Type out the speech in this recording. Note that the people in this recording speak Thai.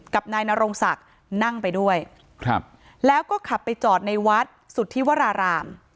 กับนายนรงศักดิ์นั่งไปด้วยครับแล้วก็ขับไปจอดในวัดสุธิวราราม